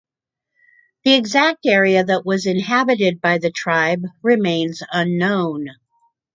The exact area that was inhabited by the tribe remains unknown.